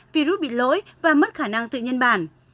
virus bị lỗi và mất khả năng tự nhân bản